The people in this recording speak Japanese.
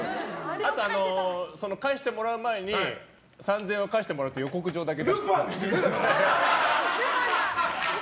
あと、その返してもらう前に３０００円を返してもらう予告状だけ。